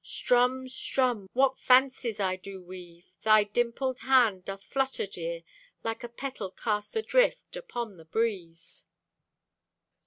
Strumm, strumm! What fancies I do weave! Thy dimpled hand doth flutter, dear, Like a petal cast adrift Upon the breeze.